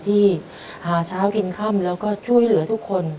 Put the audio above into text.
ที่หาเช้ากินค่ำแล้วก็ช่วยเหลือทุกคน